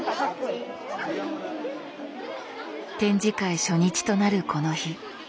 展示会初日となるこの日。